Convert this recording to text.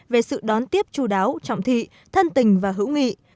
về sự đón tiếp chú đáo trọng thị thân tình và hữu nghị